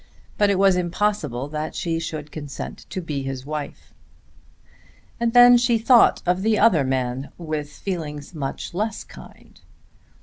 But it was impossible that she should consent to be his wife. And then she thought of the other man, with feelings much less kind.